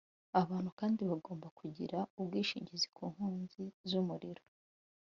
abantu kandi bagomba kugira ubwishingizi ku nkongi z'umuriro